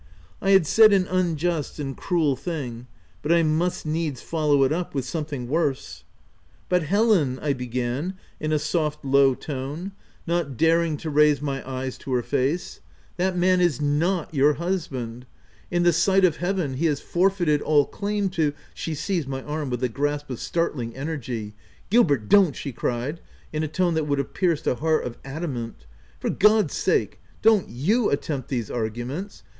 I had said an unjust and cruel thing; but I must needs follow it up with something worse. " But Helen !" I began in a soft, low tone, 142 THE TENANT not daring to raise my eyes to her face —" that man is not your husband : in the sight of Hea ven he has forfeited all claim to —" She seized my arm with a grasp of startling energy. " Gilbert, don't /" she cried, in a tone that would have pierced a heart of adamant. " For God's sake, don't you attempt these arguments